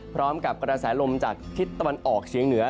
พร้อมกับกระแสลมจากทิศตะวันออกเฉียงเหนือ